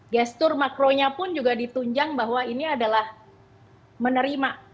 gestur makronya pun juga ditunjang bahwa ini adalah menerima